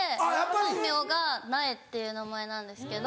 本名がナエっていう名前なんですけど。